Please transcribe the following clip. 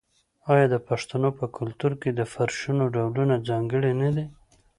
آیا د پښتنو په کلتور کې د فرشونو ډولونه ځانګړي نه دي؟